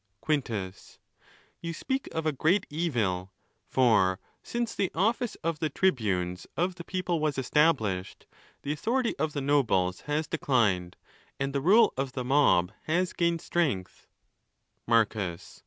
Quintus,—You speak of a great evil; for since the office of the tribunes of the people was established, the authority of the nobles has declined, and the rule of the mob has gained strength, Marcus.